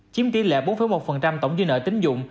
chiếm tỷ lệ bốn một tổng dư nợ tính dụng